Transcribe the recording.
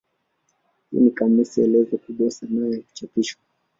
Hii ni kamusi elezo kubwa sana ya kuchapishwa.